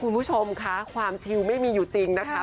คุณผู้ชมค่ะความชิวไม่มีอยู่จริงนะคะ